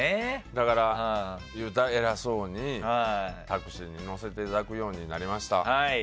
だから、偉そうにタクシーに乗させていただくようになりました。